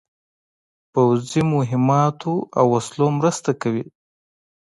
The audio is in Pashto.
پوځي مهماتو او وسلو مرسته کوي.